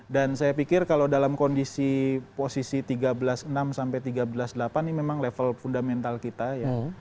dan saya pikir kalau dalam kondisi posisi tiga belas enam sampai tiga belas delapan ini memang level fundamental kita